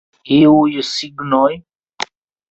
Iuj signoj?